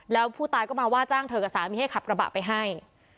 แล้วผู้ตายก็มาว่าจ้างเธอกับสามีให้ขับกระบะไปให้